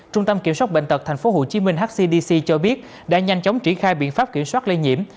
trung tâm kiểm soát bệnh tật tp hcm hcdc cho biết đã nhanh chóng triển khai biện pháp kiểm soát lây nhiễm